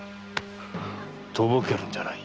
とぼけるんじゃない。